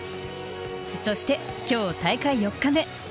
そして、きょう、大会４日目。